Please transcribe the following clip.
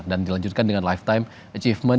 dan dilanjutkan dengan lifetime achievement